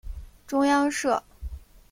中央社